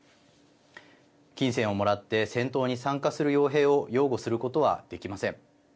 金銭をもらって戦闘に参加するよう兵を擁護することはできません。